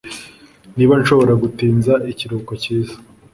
niba nshobora gutinza ikiruhuko cyiza